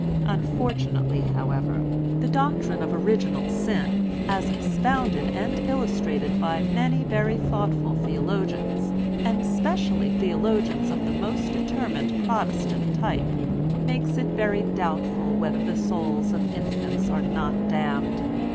Unfortunately, however, the doctrine of Original Sin, as expounded and illustrated by many very thoughtful theologians, and specially theologians of the most determined Protestant type, makes it very doubtful whether the souls of infants are not damned.